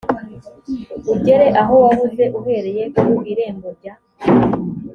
ugere aho wahoze uhereye ku irembo rya